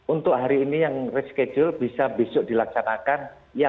untuk hari ini yang reschedule bisa besok dilaksanakan